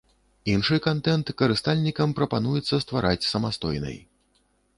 Іншы кантэнт карыстальнікам прапануецца ствараць самастойнай.